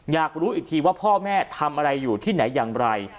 อยากรู้อีกทีว่าพ่อแม่ทำอะไรอยู่ที่ไหนอย่างไร